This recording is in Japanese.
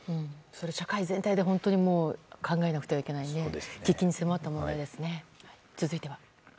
社会全体で考えなくてはいけない喫緊に迫った問題ですね。